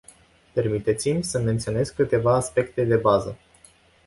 Permiteți-mi să menționez câteva aspecte de bază.